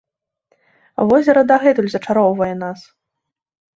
Возера дагэтуль зачароўвае нас.